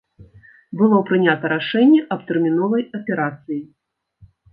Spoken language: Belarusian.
Было прынята рашэнне аб тэрміновай аперацыі.